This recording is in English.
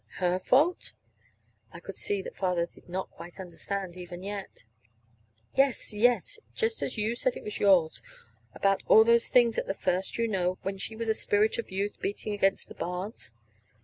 "Her fault!" I could see that Father did not quite understand, even yet. "Yes, yes, just as you said it was yours about all those things at the first, you know, when when she was a spirit of youth beating against the bars."